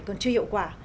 còn chưa hiệu quả